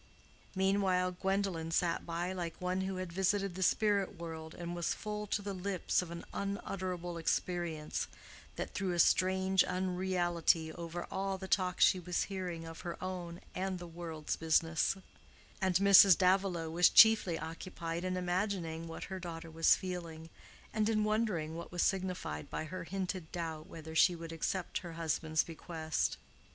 Meanwhile Gwendolen sat by like one who had visited the spirit world and was full to the lips of an unutterable experience that threw a strange unreality over all the talk she was hearing of her own and the world's business; and Mrs. Davilow was chiefly occupied in imagining what her daughter was feeling, and in wondering what was signified by her hinted doubt whether she would accept her husband's bequest.